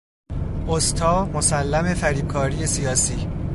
استا مسلم فریبکاری سیاسی